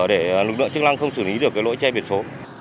để lực lượng chức năng không xử lý được cái lỗi che biển số